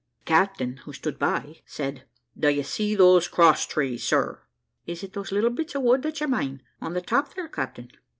The captain, who stood by, said, `Do you see those cross trees, sir?' `Is it those little bits of wood that you mane, on the top there, captain?'